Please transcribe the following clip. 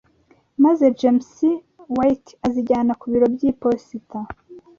maze James White azijyana ku biro by'iposita